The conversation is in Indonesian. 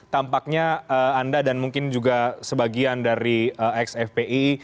tampaknya anda dan mungkin juga sebagian dari ex fpi